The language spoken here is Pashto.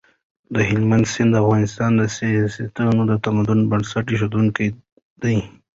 د هلمند سیند د افغانستان د سیستان د تمدن بنسټ اېښودونکی دی.